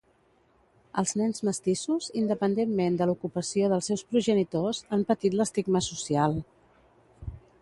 Els nens mestissos, independentment de l'ocupació dels seus progenitors, han patit l'estigma social.